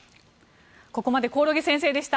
ここまで興梠先生でした。